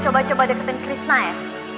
kamu jangan coba coba deketin krishna ya